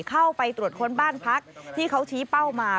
เข้าไปตรวจค้นบ้านพักที่เขาชี้เป้ามา